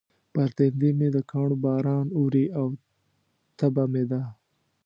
پر تندي مې د کاڼو باران اوري او تبه مې ده.